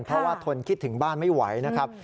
เพราะว่าทนคิดถึงบ้านไม่ไหวนะครับ